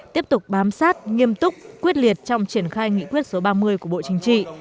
tiếp tục bám sát nghiêm túc quyết liệt trong triển khai nghị quyết số ba mươi của bộ chính trị